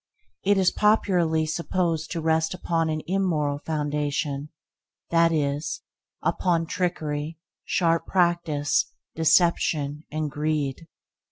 It is popularly supposed to rest upon an immoral foundation that is, upon trickery, sharp practice, deception and greed.